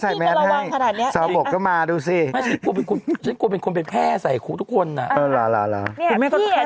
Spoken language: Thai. เย็นหุ้กถ้าพี่ระแวงขนาดนั้นเนี่ย